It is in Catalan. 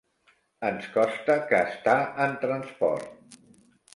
Ens costa que està en transport.